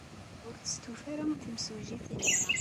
Ur testufa ara temsujjit imir-a.